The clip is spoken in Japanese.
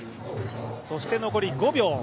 そして残り５秒。